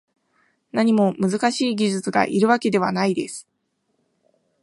何も難しい技術がいるわけではないです